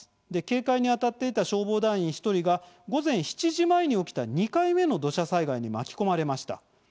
警戒にあたっていた消防団員１人が午前７時前に起きた２回目の土砂災害に巻き込まれました。